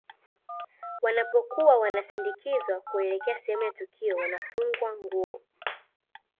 Wanapokuwa wanasindikizwa kuelekea sehemu ya tukio wanafungwa nguo